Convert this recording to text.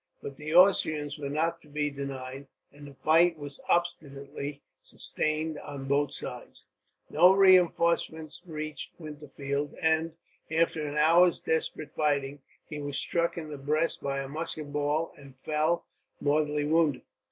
But the Austrians were not to be denied, and the fight was obstinately sustained on both sides. No reinforcements reached Winterfeld and, after an hour's desperate fighting, he was struck in the breast by a musket ball and fell, mortally wounded.